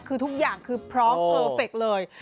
คือทุกอย่างคือพร้อมเพอร์เฟคเลย